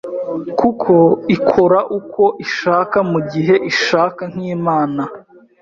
kuko ikora uko ishaka mu gihe ishaka nk’Imana,